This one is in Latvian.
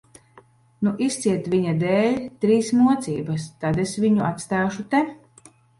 Nu, izciet viņa dēļ trīs mocības, tad es viņu atstāšu te.